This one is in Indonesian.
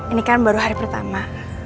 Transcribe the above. ini kan baru hari pertama